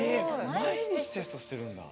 毎日テストしてるんだ！